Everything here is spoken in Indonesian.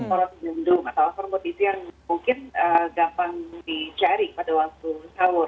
orang yang jendung atau hormon itu yang mungkin gampang dicari pada waktu sahur